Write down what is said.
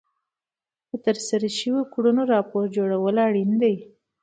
د ترسره شوو کړنو راپور جوړول اړین دي.